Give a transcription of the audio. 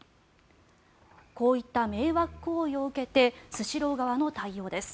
こういった迷惑行為を受けてスシロー側の対応です。